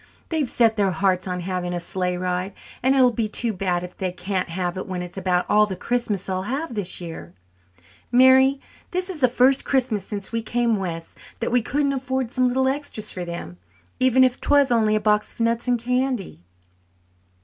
They've set their hearts on having a sleigh ride, and it will be too bad if they can't have it when it's about all the Christmas they'll have this year. Mary, this is the first Christmas since we came west that we couldn't afford some little extras for them, even if 'twas only a box of nuts and candy."